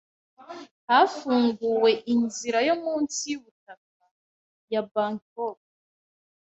Hafunguwe inzira yo munsi y’ubutaka ya Bangkok